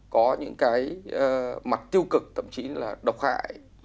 có những cái mặt tiêu cực thậm chí là độc hại